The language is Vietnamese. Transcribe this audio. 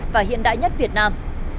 và hiện đại nhất việt nam